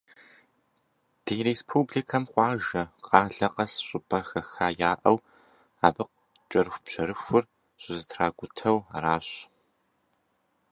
Ди республикэм къуажэ, къалэ къэс щӏыпӏэ хэха яӏэу, абы кӏэрыхубжьэрыхур щызэтракӏутэу аращ.